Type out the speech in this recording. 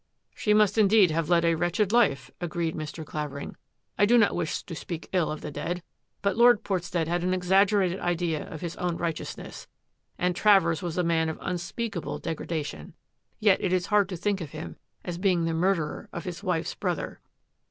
" She must indeed have led a wretched life," agreed Mr. Clavering. " I do not wish to speak ill of the dead, but Lord Portstead had an exag gerated idea of his own righteousness, and Travers was a man of unspeakable degradation. Yet it is hard to think of him as being the murderer of his wife's brother."